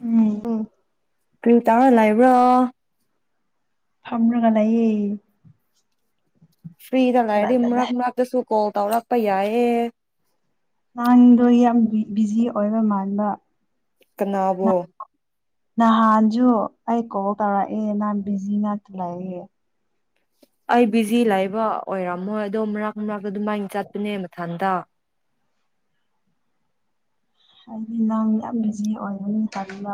ꯎ ꯇꯥꯔꯂ ꯏꯕ꯭ꯔꯣ ꯐꯝꯔꯉ ꯂꯩꯌꯦ ꯐ꯭ꯔꯤꯗ ꯂꯩꯔꯗꯤ ꯃꯛ ꯃꯛꯛꯇꯁꯨ ꯀꯣꯜ ꯇꯧꯔꯛꯄ ꯌꯥꯏꯌꯦꯦ ꯅꯍꯥꯟꯗꯣ ꯌꯥꯝ ꯕꯤꯖꯤ ꯑꯣꯏꯕ ꯃꯥꯟꯕ ꯀꯅꯥꯕꯣ ꯅꯍꯥꯟꯁꯨ ꯑꯩ ꯀꯣꯜ ꯇꯧꯔꯛꯑꯦ ꯅꯍꯥꯟ ꯕꯤꯖꯤ ꯉꯥꯛ ꯂꯩꯌꯦꯦ ꯑꯩ ꯕꯤꯖꯤ ꯂꯩꯕ ꯑꯣꯏꯔꯝꯃꯣꯏ ꯑꯗꯣ ꯃꯔꯛ ꯃꯔꯛ ꯑꯗꯨꯃꯥꯏꯅ ꯆꯠꯄꯅꯦ ꯃꯊ ꯠꯇ ꯍꯥꯏꯗꯤ ꯅꯪ ꯌꯥꯝ ꯕꯤꯖꯤ ꯑꯣꯏꯒꯅꯤ ꯇꯅ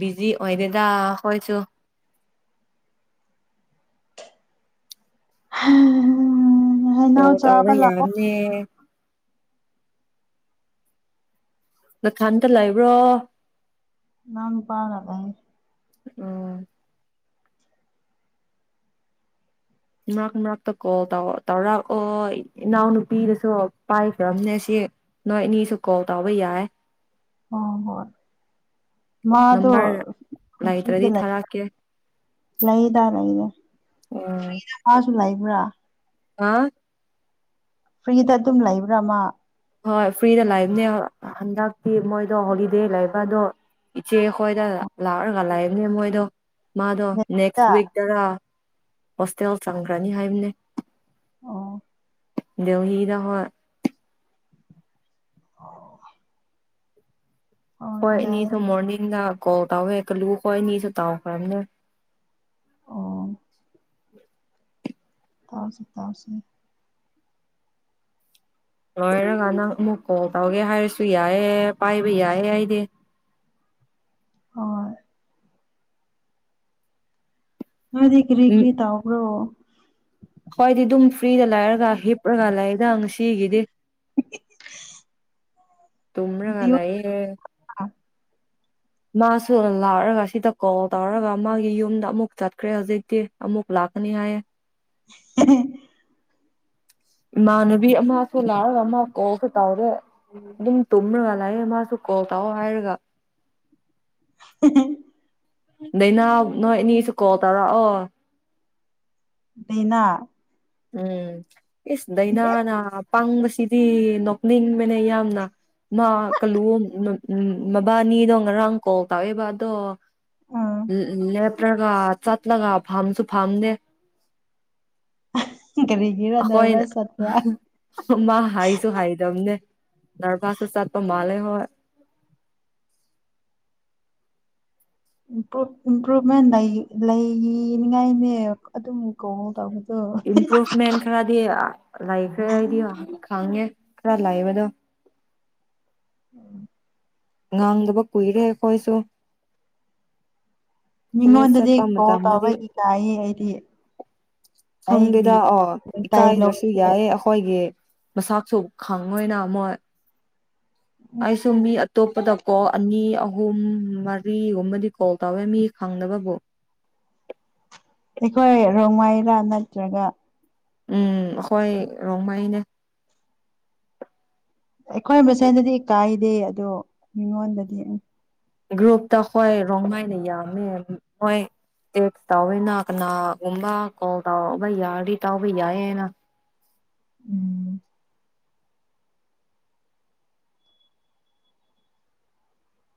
ꯕꯤꯖꯤ ꯑꯣꯏ ꯗꯦꯗꯥ ꯀꯣꯏꯁꯨ [inaudible] ꯍꯥꯎ ꯇ ꯑꯕ ꯆꯥꯕ ꯂꯥꯛꯑꯣ ꯌꯥꯔꯅꯦ ꯅ ꯈꯥꯟꯗ ꯂꯩꯕ꯭ꯔꯣ ꯅꯝ ꯄꯥꯔꯒ ꯑꯣ ꯃꯔꯛ ꯃꯔꯛꯇ ꯀꯣꯜꯧ ꯇꯧꯔꯛꯑꯣ ꯏꯅꯥꯎꯅꯨꯄꯤꯗꯁꯨ ꯄꯥꯏꯈ꯭ꯔꯕꯅꯦ ꯁꯤ ꯅꯣꯏ ꯑꯅꯤꯁꯨ ꯀꯣꯜ ꯇꯧꯕ ꯌꯥꯏ ꯑꯣ ꯍ ꯃꯥ ꯅꯝꯕꯔ ꯂꯩꯇ꯭ꯔꯗꯤ ꯐꯔꯤꯗ ꯂꯩ ꯊꯥꯔꯛꯀꯦ ꯂꯩꯗ ꯂꯩꯗ ꯐ ꯂꯩꯕ꯭ꯔꯥ ꯑ ꯐ꯭ꯔꯤꯗ ꯑꯗꯨꯝ ꯂꯩꯕ꯭ꯔꯥ ꯑꯃ ꯍꯣꯏ ꯐ꯭ꯔꯤꯗ ꯂꯥꯛꯏꯕꯅꯦ ꯍꯟꯗꯛꯇꯤ ꯃꯣꯏꯗꯣ ꯍꯣꯂꯤꯗꯦ ꯂꯩꯕ ꯑꯗꯣ ꯏꯆꯦꯈꯣꯏꯗ ꯂꯥꯛꯑꯒ ꯂꯥꯛꯏꯕꯅꯦ ꯃꯣꯏꯗꯣ ꯃꯥꯗꯣ ꯗ ꯅꯦꯛꯁꯤꯛ ꯇꯗꯥ ꯍꯣꯁꯇꯦꯜ ꯆꯪꯈ꯭ꯔꯅꯤ ꯍꯥꯏꯕꯅꯦ ꯑ ꯧꯍꯤꯗꯗꯥ ꯍꯣꯣꯏ ꯑꯣ ꯍꯣꯏꯅꯤꯁꯨꯨꯝ ꯃꯣꯔꯅꯗ ꯀꯣ ꯇ ꯑꯣꯏꯦ ꯀꯂꯨ ꯀꯣꯏꯅꯤ ꯁ ꯇꯑꯣ ꯈꯔꯅ ꯑ ꯊꯥꯁꯤꯦ ꯊꯥꯁꯤꯦ ꯍꯥꯏꯔꯒ ꯅꯪ ꯑꯃꯨꯛ ꯀꯣꯜ ꯇꯧꯒꯦ ꯍꯥꯏꯔꯁꯨ ꯌꯥꯏꯑꯦ ꯄꯥꯏꯕ ꯌꯥꯏꯌꯦꯦ ꯑꯩꯗꯤ ꯑ ꯃꯗꯤ ꯀꯔꯤꯒꯔꯤ ꯇꯧꯕ꯭ꯔꯣ ꯍ꯭ꯣꯏꯏꯗꯤ ꯑꯗꯨꯝ ꯐ꯭ꯔꯤꯗ ꯂꯥꯏꯔꯒ ꯍꯤꯞꯔꯒ ꯂꯥꯛꯦꯗ ꯉꯁꯤꯒꯤꯗꯤ [unintelligible] ꯇꯨꯝꯔꯒ ꯗꯤꯌꯣꯅ ꯂꯩꯑꯦ ꯃꯥꯁꯨ ꯂꯥꯛꯑꯒ ꯁꯤꯗ ꯀꯣꯜ ꯇꯧꯔꯒ ꯃꯥꯒꯤ ꯌꯨꯝꯗ ꯑꯃꯨꯛ ꯆꯠꯈ꯭ꯔꯦ ꯍꯧꯖꯤꯛꯇꯤ ꯑꯃꯨꯛ ꯂꯥꯛꯀꯅꯤ ꯍꯥꯏꯌꯦ ꯍ ꯏꯃꯥꯟꯅꯕꯤ ꯑꯃꯁꯨ ꯂꯥꯛꯔꯒ ꯑꯃ ꯀꯣꯛꯒ ꯇꯧꯔꯦ ꯑꯗꯨꯝ ꯇꯨꯝꯔꯒ ꯂꯥꯛꯑꯦ ꯃꯥꯁꯨ ꯀꯣꯛ ꯇꯥꯎꯑꯣ ꯍꯥꯏꯔꯒ [unintelligible] ꯅꯅꯥ ꯅꯣꯏ ꯏꯅꯤꯁꯨ ꯀꯣꯜ ꯇꯧꯔꯛꯑꯣ ꯗꯅ ꯎꯝ ꯏꯁ ꯂꯩꯅꯥꯅꯅꯥ ꯄꯪꯕꯁꯤꯗꯤ ꯅꯣꯛꯅꯤꯡꯕꯅꯦ ꯌꯥꯝꯅ ꯃꯥ ꯀꯜꯂꯨ ꯃꯕꯥꯅꯤꯗꯣ ꯉꯔꯥꯡ ꯀꯣꯜ ꯇꯧꯑꯦꯕ ꯑꯗꯣ ꯑ ꯂꯦꯞꯇ꯭ꯔꯒ ꯆꯠꯂꯒ ꯐꯝꯁꯨ ꯐꯝꯗꯦ ꯀꯔꯤꯒꯤꯔ ꯅꯔꯚꯁ ꯆꯠꯄ꯭ꯔꯥ ꯍꯈꯣꯏꯅ ꯃꯥ ꯍꯥꯏꯁꯨ ꯍꯥꯏꯗꯝꯅꯦ ꯗꯔꯕꯥꯥꯁ ꯁꯥꯗ ꯃꯥꯂ ꯍꯣꯏ ꯏꯝꯄ꯭ꯔꯨꯚꯃꯦꯟ ꯂꯩꯅꯤꯉꯥꯏꯅꯦ ꯑꯗꯨꯝ ꯀꯣ ꯇꯧꯕ ꯏꯝꯄ꯭ꯔꯨꯚꯃꯦꯟ ꯈꯔꯗꯤ ꯂꯩꯈ꯭ꯔꯦ ꯍꯥꯏꯗꯤ ꯈꯥꯡꯉꯦ ꯈꯔ ꯂꯑꯕꯗ ꯎꯝ ꯉꯥꯡꯗꯕ ꯀꯨꯏꯔꯦ ꯑꯩꯈꯣꯏꯁꯨ ꯀꯣꯂꯦꯖ ꯃꯤꯉꯣꯟꯗꯗꯤ ꯆꯠꯄ ꯀꯣꯜ ꯇꯥꯕ ꯃꯇꯝꯗꯗꯤ ꯏ ꯀꯥꯏ ꯑꯩꯗꯤ ꯈꯪꯗꯦꯗ ꯑꯣ ꯑꯩꯒꯤꯇꯥꯏ ꯏꯀꯥꯏꯗ꯭ꯔꯁꯨ ꯂꯣꯁꯦ ꯌꯥꯏꯌꯦ ꯑꯩꯈꯣꯏꯒꯤ ꯃꯁꯥꯛꯁꯨ ꯈꯪꯉꯣꯏꯅ ꯑꯃꯣꯏ ꯑꯩ ꯁꯃꯤ ꯑꯇꯣꯞꯄꯗ ꯀꯣꯜ ꯑꯅꯤ ꯑꯍꯨꯝ ꯃꯔꯤꯒꯨꯝꯕꯗꯤ ꯀꯣꯜ ꯇꯧꯋꯦ ꯃꯤ ꯈꯪꯅꯕꯕꯨ ꯑꯩꯈꯣꯏ ꯔꯣꯡꯃꯥꯏꯔꯥ ꯅꯠꯇ꯭ꯔꯒ ꯎꯝ ꯍꯣꯏ ꯔꯣꯡꯃꯥꯏꯅꯦ ꯑꯩꯈꯣꯏ ꯃꯁꯦꯟꯗꯗꯤ ꯀꯥꯏꯗꯦ ꯑꯗꯣ ꯃꯤꯉꯣꯟꯗꯗꯤ ꯒ꯭ꯔꯨꯞꯇ ꯍꯣꯏ ꯔꯣꯡꯃꯥꯏꯅ ꯌꯥꯝꯃꯦ ꯃꯣꯏ ꯇꯦꯛꯁ ꯇꯧꯋꯅ ꯀꯅꯥꯒꯨꯝꯕ ꯀꯣꯜ ꯇꯧꯕ ꯌꯥꯔꯗꯤ ꯇꯥꯎꯕ ꯌꯥꯏꯌꯦꯅ ꯎꯝ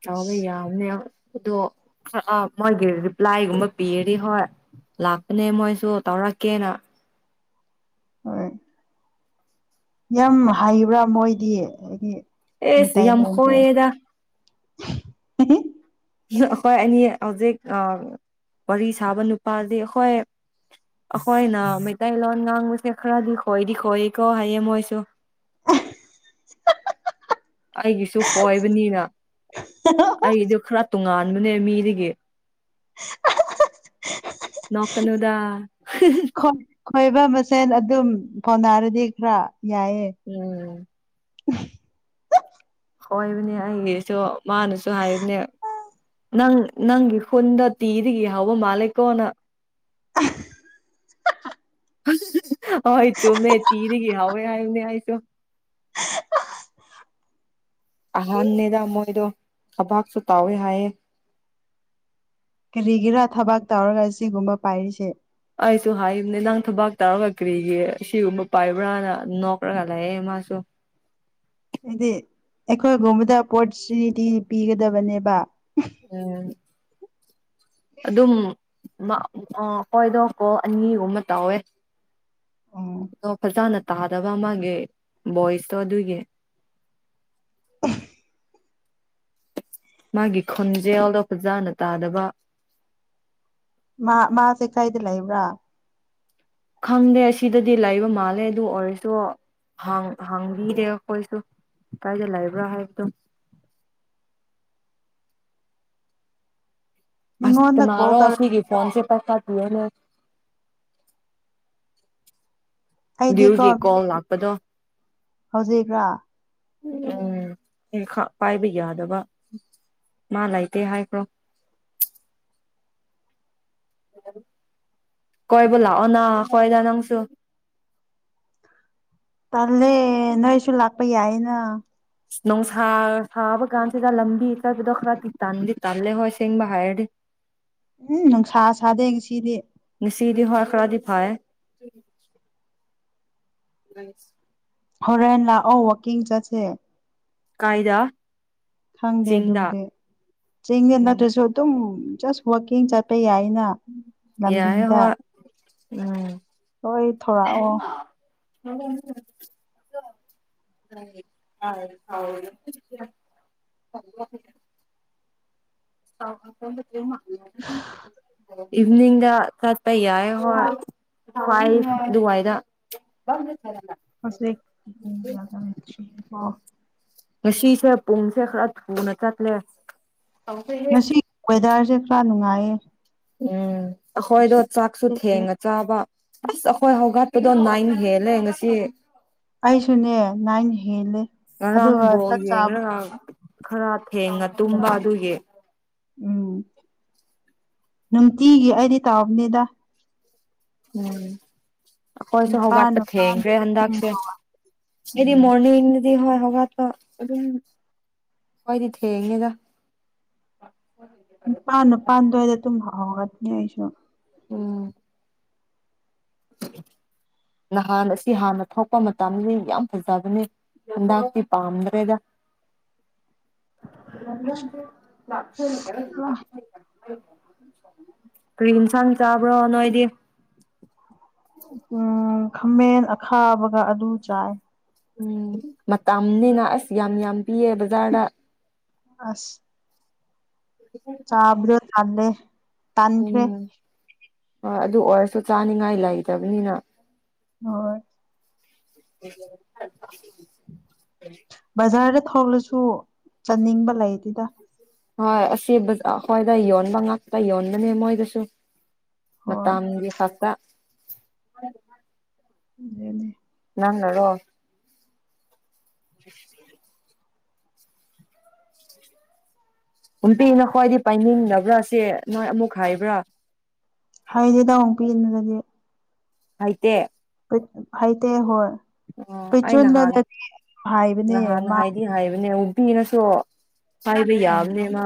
ꯑꯥꯎꯕꯩ ꯏꯁ ꯌꯥꯝꯅꯦ ꯑꯗꯣ ꯑ ꯃꯣꯏꯒꯤ ꯔꯤꯄ꯭ꯂꯥꯏꯒꯨꯝꯕ ꯄꯤꯔꯔꯤ ꯍꯣꯏ ꯂꯥꯛꯄꯅꯦ ꯃꯣꯏꯁꯨ ꯇꯧꯔꯛꯀꯦꯅ ꯍꯣꯏ ꯌꯥꯝ ꯍꯥꯏꯩꯕ꯭ꯔꯥ ꯃꯣꯏꯗꯤ ꯍꯥꯏꯗꯤ ꯑꯦ ꯁꯤ ꯌꯝꯈꯣꯗ ꯎ ꯑꯩꯈꯣꯏ ꯑꯅꯤ ꯍꯧꯖꯤꯛ ꯋꯥꯔꯤ ꯁꯥꯕ ꯅꯨꯄꯥꯗꯤ ꯑꯩꯈꯣꯏ ꯑꯩꯈꯣꯏꯅ ꯃꯩꯇꯩꯂꯣꯟ ꯉꯥꯡꯕꯁꯦ ꯈꯔꯗꯤ ꯈꯣꯏꯗꯤ ꯈꯣꯏꯀꯣ ꯍꯥꯏꯌꯦ ꯃꯣꯏꯁꯨ [unintelligible] ꯑꯩꯒꯤꯁꯨ ꯍꯣꯏꯕꯅꯤꯅ ꯑꯩꯒꯤꯗꯨ ꯈꯔ ꯇꯣꯉꯥꯟꯕꯅꯦ ꯃꯤꯗꯒꯤ ꯅꯣꯀꯅꯗ ꯣꯏ ꯈꯣꯏꯕ ꯃꯁꯦꯟ ꯑꯗꯨꯝ ꯄꯥꯎꯅꯥꯔꯗꯤ ꯈꯔ ꯌꯥꯏꯌꯦ ꯎꯝ ꯍꯣꯏꯕꯅꯦ ꯑꯩꯒꯤꯁꯨ ꯃꯥꯅꯁꯨ ꯍꯥꯏꯕꯅꯦ ꯅꯪ ꯅꯪꯒꯤ ꯈꯨꯟꯗ ꯇꯤꯗꯒꯤ ꯍꯧꯕ ꯃꯥꯜꯂꯦꯀꯣꯅ ꯍꯣꯏ ꯆꯨꯝꯃꯦ ꯇꯤꯔꯤꯒ ꯍꯥꯎꯋꯦ ꯍꯥꯏꯎꯅꯦ ꯍꯥꯏꯁꯨ ꯑꯍꯥꯟꯕꯅꯦꯗ ꯃꯣꯏꯗꯣ ꯊꯕꯥꯛꯁꯨ ꯇꯥꯎꯋꯦ ꯍꯥꯏꯌꯦ ꯀꯔꯤꯒꯤꯔꯥ ꯊꯕꯛ ꯇꯧꯔꯒ ꯁꯤꯒꯨꯝꯕ ꯄꯥꯏꯔꯤꯁꯦ ꯑꯩꯁꯨ ꯍꯥꯏꯕꯅꯦ ꯅꯪ ꯊꯕꯥꯛ ꯇꯧꯔꯒ ꯀꯔꯤꯒꯤ ꯁꯤꯒꯨꯝꯕ ꯄꯥꯏꯕ꯭ꯔꯥꯅ ꯅꯣꯛꯈ꯭ꯔꯒ ꯂꯑꯦ ꯃꯥꯁꯨ ꯍꯥꯏꯗꯤ ꯑꯩꯈꯣꯏꯒꯨꯝꯕꯗ ꯑꯣꯄꯣꯔꯆꯨꯅꯤꯇꯤ ꯄꯤꯒꯗꯕꯅꯦꯕ ꯎꯝ ꯑꯗꯨꯝ ꯑ ꯍꯣꯏꯗꯣꯀꯣ ꯑꯅꯤꯒꯨꯝꯕ ꯇꯧꯋꯦ ꯎꯝ ꯂꯣ ꯐꯔꯗꯅ ꯇꯥ ꯇꯥꯕ ꯃꯥꯒꯦ ꯣꯏꯁꯇꯣ ꯑꯗꯨꯒꯤ ꯃꯥꯒꯤ ꯈꯣꯟꯖꯦꯜꯗ ꯐꯖꯥꯅ ꯇꯥꯗꯕ ꯃꯥ ꯃꯥꯁꯦ ꯀꯩꯗ ꯂꯩꯕ꯭ꯔꯥ ꯈꯪꯗꯦ ꯑꯁꯤꯗꯗꯤ ꯂꯩꯕ ꯃꯥꯜꯂꯦ ꯑꯗꯨ ꯑꯣꯏꯔꯁꯨ ꯍꯥꯡꯕꯤꯔꯦ ꯑꯩꯈꯣꯏꯁꯨ ꯀꯥꯏꯗ ꯂꯩꯕ꯭ꯔꯥ ꯍꯥꯏꯕꯗꯣ ꯑꯁꯇ ꯃꯤꯉꯣꯟꯗ ꯀꯣꯜ ꯃꯥꯔꯣ ꯁꯤꯒꯤ ꯇꯧꯔꯛꯄꯗꯣ ꯐꯣꯟꯁꯦ ꯄꯁꯥ ꯇꯅ ꯨꯒꯤ ꯀꯣꯜ ꯂꯥꯛꯄꯗꯣ ꯍꯧꯖꯤꯛꯔꯤꯕ꯭ꯔꯥ ꯎꯝ ꯄꯥꯏꯕ ꯌꯥꯗꯕ ꯃꯥ ꯂꯩꯇꯦ ꯍꯥꯏꯈ꯭ꯔꯣ ꯀꯣꯏꯕꯨ ꯂꯥꯛꯑꯣ ꯅ ꯈꯣꯏꯗ ꯅꯪꯁꯨ ꯇꯜꯦ ꯅꯣꯏꯁꯨ ꯂꯥꯛ ꯄꯩ ꯌꯥꯏꯅ ꯅꯣꯡ ꯁꯥꯕ ꯀꯥꯟꯁꯤꯗ ꯂꯝꯕꯤ ꯆꯕꯗꯣ ꯈꯔꯗꯤ ꯇꯟꯗꯤ ꯇꯜꯂꯦ ꯍꯣꯏ ꯁꯦꯡꯕ ꯍꯥꯏꯔꯗꯤ ꯎꯝ ꯅꯨꯡꯁꯥ ꯁꯥꯗꯦ ꯉ ꯁꯤꯗꯤ ꯁꯤꯗꯤ ꯍꯈꯔꯥ ꯐ ꯍꯔꯦꯟ ꯂꯥꯛꯑꯣ ꯋꯥꯀꯤꯡ ꯆꯁ ꯀꯥꯏꯗ ꯈꯪꯗꯦ ꯆꯤꯡꯗ ꯑꯗꯨꯕꯨꯗꯤ ꯆꯤꯡꯗ ꯎꯝ ꯅꯠꯇ꯭ꯔꯁꯨ ꯑꯗꯨꯝ ꯁ ꯋꯥꯀꯤꯡ ꯆꯠꯄꯦ ꯌꯥꯏ ꯑꯩꯅ ꯌꯥꯏ ꯂꯝꯕꯤꯗ ꯍꯣꯏ ꯎꯝ ꯍꯣꯏ ꯊꯣꯔꯛꯑꯣ [inaudible] ꯍꯥꯎ ꯀꯦꯃ ꯏꯚꯅꯤꯡꯗ ꯆꯠꯄ ꯌꯥꯏ ꯍꯣꯏ ꯍꯏ ꯑꯗꯨꯋꯥꯏꯗ ꯁꯗ ꯉꯁꯤꯁꯦ ꯄꯨꯡꯁꯦ ꯈꯔ ꯊꯨꯅ ꯆꯠꯂꯦ ꯉꯁꯤ ꯋꯦꯗꯔꯁꯦ ꯈꯔ ꯅꯨꯡꯉꯥꯏꯌꯦ [inaudible] ꯎꯝ ꯑꯈꯣꯏꯗꯣ ꯁꯤ ꯆꯥꯛꯁꯨ ꯊꯦꯡꯉ ꯆꯥꯕ ꯑꯁ ꯑꯩꯈꯣꯏ ꯍꯧꯒꯠꯄꯗꯣ ꯅꯥꯏꯟ ꯍꯦꯜꯂꯦ ꯉꯁꯤ ꯑꯩꯁꯨꯅꯦ ꯅꯥꯏꯟ ꯍꯦꯜꯂꯦ ꯉꯔꯥꯡ ꯑꯗꯨꯒ ꯕꯣꯜ ꯆꯥꯛ ꯌꯦꯡꯔꯒ ꯆꯥꯕꯗꯣ ꯈꯔ ꯊꯦꯡꯉ ꯇꯨꯝꯕ ꯑꯗꯨꯒꯤ ꯎꯝ ꯅꯨꯡꯇꯤꯒꯤ ꯑꯩꯗꯤ ꯇꯥꯕꯅꯤꯗ ꯎꯝ ꯑꯈꯣꯏꯁꯨ ꯅꯤꯄꯥꯜ ꯍꯧꯒꯠꯄ ꯅꯤꯄꯥꯜꯗ ꯊꯦꯡꯈ꯭ꯔꯦ ꯑꯗꯨꯝ ꯍꯟꯗꯛꯁꯦ ꯑꯩꯗꯤ ꯎꯝ ꯃꯣꯔꯅꯤꯡ ꯊꯦꯡꯉꯦ ꯍꯧꯒꯠꯄ ꯑꯗꯨꯝ ꯑꯈꯣꯏꯗꯤ ꯊꯦꯡꯉꯦꯗ ꯅꯤꯄꯥꯟ ꯅꯤꯄꯥꯟ ꯗꯨꯋꯥꯏꯗ ꯇꯨꯝ ꯍꯧꯔꯛꯀꯅꯤ ꯑꯩꯁꯨ ꯎꯝ ꯅꯍꯥꯟ ꯑꯁꯤ ꯍꯥꯟꯅ ꯊꯣꯛꯄ ꯃꯇꯝꯗꯗꯤ ꯌꯥꯝ ꯐꯖꯕꯅꯦ ꯍꯟꯗꯛꯇꯤ ꯄꯥꯝꯗ꯭ꯔꯦꯗ [unintelligible] ꯀꯔꯤ ꯏꯟꯁꯥꯡ ꯆꯥꯕ꯭ꯔꯣ ꯅꯣꯏꯗꯤ ꯎꯝ ꯈꯥꯃꯦꯟ ꯑꯈꯥꯕꯒ ꯑꯗꯨꯝ ꯆꯥꯏ ꯎꯝ ꯃꯇꯝꯅꯤꯅ ꯑꯁ ꯌꯥꯝ ꯌꯥꯝ ꯄꯤꯌꯦ ꯕꯖꯥꯔꯗ ꯑꯁ ꯆꯥꯕꯗ ꯊꯜꯂꯦ ꯎꯝ ꯇꯥꯟꯈ꯭ꯔꯦ ꯍꯣꯏ ꯑꯗꯨ ꯑꯣꯏꯔꯁꯨ ꯆꯥꯅꯤꯡꯉꯥꯏ ꯂꯩꯇꯕꯅꯤꯅ ꯍꯣꯏ [unintelligible] ꯕꯖꯥꯔꯗ ꯐꯧꯂꯁꯨ ꯆꯥꯅꯤꯡꯕ ꯂꯩ ꯑꯗꯨꯗ ꯍꯣꯏ ꯑꯁꯤ ꯕꯖꯥꯔꯈꯣꯏꯗ ꯌꯣꯟꯕ ꯉꯥꯛꯇ ꯌꯣꯟꯕꯅꯦ ꯃꯣꯏꯗꯨꯁꯨ ꯍꯣꯏ ꯃꯇꯥꯡꯒꯤ ꯈꯛꯇ [unintelligible] ꯑꯗꯨꯅꯤ ꯅꯪꯅꯔꯣ [unintelligible] ꯅꯨꯝꯄꯤꯅ ꯈ꯭ꯋꯥꯏꯗꯩ ꯄꯥꯏꯅꯤꯡꯕ꯭ꯔꯥ ꯁꯤ ꯅꯣꯏ ꯑꯃꯨꯛ ꯍꯥꯏꯕ꯭ꯔꯥ ꯍꯥꯏꯗꯤ ꯅꯪ ꯑꯃꯨꯛꯀ ꯌꯦꯡꯅꯤꯡꯉꯝꯅꯦꯕ ꯍꯥꯏꯇꯦ [unintelligible] ꯍꯥꯏꯇꯦ ꯍꯣꯏ ꯑꯣ ꯑꯩ ꯅꯍꯥꯟ ꯄꯩꯆꯨꯅꯗꯗꯤ ꯍꯥꯏꯕꯅꯦ ꯅꯍꯥꯟ ꯃꯥ ꯍꯥꯏꯗꯤ ꯍꯥꯏꯕꯅꯦ ꯄꯤꯔꯁꯨ ꯍꯥꯏꯕ ꯌꯥꯕꯅꯦ ꯃꯥ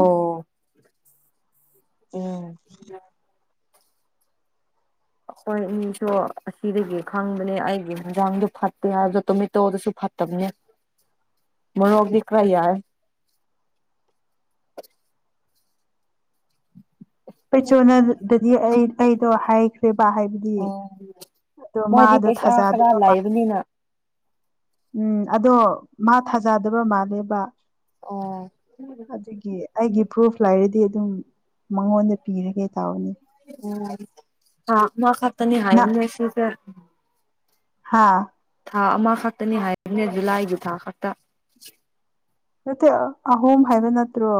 ꯑꯣ ꯎꯝ ꯑꯩꯈꯣꯏ ꯃꯤꯁꯨ ꯑꯁꯤꯗꯒꯤ ꯈꯪꯕꯅꯦ ꯑꯩꯒꯤ ꯌꯦꯟꯖꯥꯡꯗꯨꯣ ꯐꯠꯇꯦ ꯍꯥꯏꯕꯗ ꯇꯣꯃꯦꯇꯣꯗꯨꯁꯨ ꯐꯠꯇꯕꯅꯦ ꯃꯣꯔꯣꯛꯗꯤ ꯈꯔ ꯌꯥꯏ ꯄꯩꯆꯣꯅꯥ ꯗꯗꯤ ꯑꯩ ꯑꯩꯗꯣ ꯍꯥꯏꯈ꯭ꯔꯦ ꯄꯥ ꯍꯥꯏꯕꯗꯤ ꯑꯣ ꯑꯗꯣ ꯃꯣꯏꯗꯤ ꯃꯥꯗꯣ ꯄꯩꯁꯥ ꯈꯔ ꯊꯥꯖꯗꯕ ꯃꯥ ꯂꯩꯕꯅꯤꯅ ꯎꯝ ꯑꯗꯣ ꯃꯥ ꯊꯥꯖꯗꯕ ꯃꯥꯜꯂꯦꯕ ꯑꯣ ꯑꯗꯨꯒꯤ ꯑꯩꯒꯤ ꯄ꯭ꯔꯨꯐ ꯂꯩꯔꯗꯤ ꯑꯗꯨ ꯃꯥꯉꯣꯟ ꯄꯤꯔꯒꯦ ꯇꯥꯅꯤ ꯎꯝ ꯃꯥ ꯈ ꯅꯤ ꯍꯥꯏ ꯂꯩꯁꯤ ꯍꯥꯥ ꯊꯥ ꯑꯃꯈꯛꯇꯅꯤ ꯍꯥꯏꯕꯅꯦ ꯖꯨꯂꯥꯏꯒꯤ ꯊꯥ ꯈꯛꯇ ꯅꯠꯇꯦ ꯑꯍꯣꯝ ꯍꯥꯏꯕ ꯅꯠꯇ꯭ꯔꯣ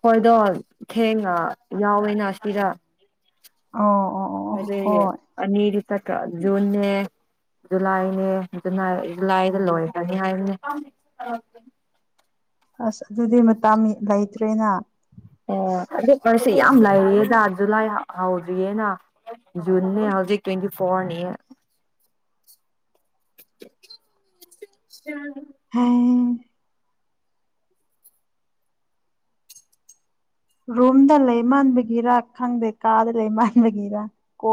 ꯍꯣꯏꯗꯣ ꯊꯦꯡꯉ ꯌꯥꯎꯋꯦꯅ ꯑꯁꯤꯔ ꯑ ꯑꯣ ꯍꯣꯏ ꯑꯅꯤꯗꯤ ꯖꯨꯟꯅꯦ ꯖꯨꯂꯥꯏꯅꯦꯖ ꯖꯨꯂꯥꯏꯗ ꯂꯣꯏꯀꯅꯤ ꯍꯥꯏꯕꯅꯤ ꯑꯁ ꯑꯗꯨꯗꯤ ꯃꯇꯥ ꯂꯩꯇ꯭ꯔꯦꯅ ꯑꯣ ꯑꯗꯨ ꯁꯤ ꯌꯥꯝ ꯂꯩꯔꯤꯌꯦꯖꯥ ꯖꯨꯂꯥꯏ ꯍꯧꯗ꯭ꯔꯤꯌꯦꯅ ꯖꯨꯟꯅꯦ ꯍꯧꯖꯤꯛ ꯇ꯭ꯋꯦꯟꯇꯤ ꯐꯣꯔꯅꯤ [inaudible] ꯆꯥꯡ ꯍꯩ ꯔꯨꯝꯨꯝꯗ ꯂꯩ ꯃꯟꯕꯒꯤꯔ ꯑ ꯈꯪꯗ ꯀꯥꯗ ꯂꯩ ꯃꯟꯕꯒꯦꯔ ꯀꯣ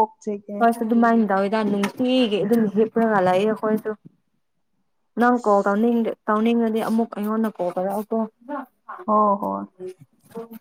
ꯐꯣꯏꯁ ꯇꯃꯥꯏꯟ ꯌꯥꯝꯅꯤꯡ ꯊꯒꯦ ꯏ ꯑꯗꯨ ꯄꯨꯔꯒ ꯂꯑ ꯑꯩꯈꯣꯏꯁꯨ ꯅꯪ ꯀꯒꯅꯤ ꯇꯧꯅꯤꯡꯉꯗꯤ ꯑꯃꯨꯛ ꯑꯩꯉꯣꯟꯗ ꯀꯣ ꯇꯔꯛꯎꯀꯣ ꯍ ꯍꯣꯏ ꯑꯣ